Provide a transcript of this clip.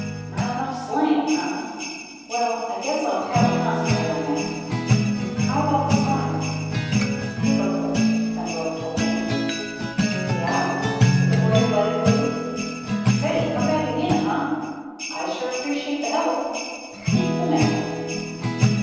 "Not enough slang, huh? Well, I guess I'll have to concentrate on that. How about the smile?" "Perfect," Pembroke told him. "Yeah?" said the boy delightedly. "Say, come back again, huh? I sure appreciate the help. Keep the map."